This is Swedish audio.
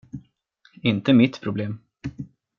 Inte mitt problem.